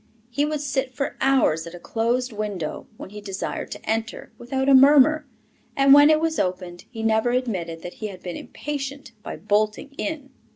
He would sit for hours at a closed window, when he desired to enter, without a murmur, and when it was opened he never admitted that he had been impatient by "bolting" in.